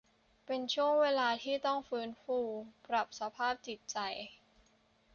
เป็นช่วงเวลาที่ต้องฟื้นฟูปรับสภาพจิตใจ